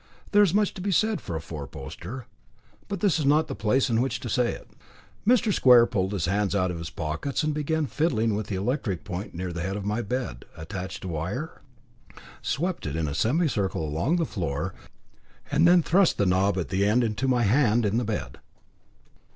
There is much to be said for a fourposter, but this is not the place in which to say it. Mr. Square pulled his hands out of his pockets and began fiddling with the electric point near the head of my bed, attached a wire, swept it in a semicircle along the floor, and then thrust the knob at the end into my hand in the bed.